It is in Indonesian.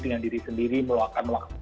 dengan diri sendiri meluangkan waktu